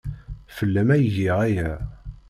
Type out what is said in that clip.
Fell-am ay giɣ aya.